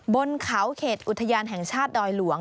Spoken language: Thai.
บนเขาเขตอุทยานแห่งชาติดอยหลวง